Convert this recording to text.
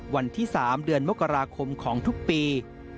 วันที่๓เดือนมกราคมของทุกปี